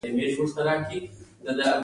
انسان د اور په کشفولو سره قدرت ترلاسه کړ.